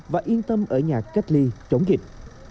và yên tâm ở nhà cách ly chống dịch